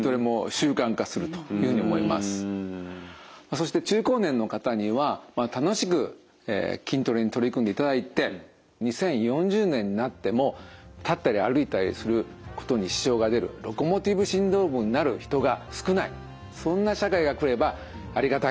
そして中高年の方には楽しく筋トレに取り組んでいただいて２０４０年になっても立ったり歩いたりすることに支障が出るロコモティブシンドロームになる人が少ないそんな社会が来ればありがたいです。